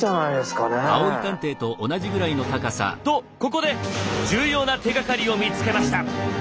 ここで重要な手がかりを見つけました。